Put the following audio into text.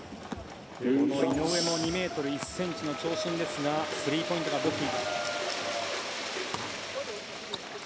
井上も２ｍ１ｃｍの長身ですがスリーポイントが武器。